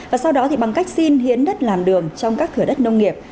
và sau đó thì bằng cách xin hiến đất làm đường trong các thửa đất nông nghiệp